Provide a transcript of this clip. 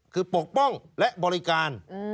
คือปกป้องและบริการ